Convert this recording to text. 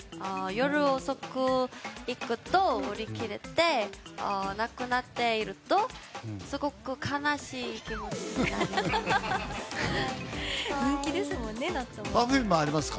夜遅く行くと売り切れて、なくなっているとすごく悲しい気持ちになります。